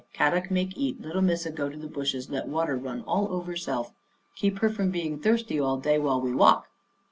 " Kadok make eat, Little Missa go to the bushes let water run all over self. Keep her from being thirsty all day while we walk."